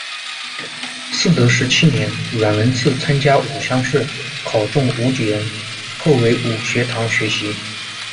嗣德十七年，阮文赐参加武乡试，考中武举人，后为武学堂学习。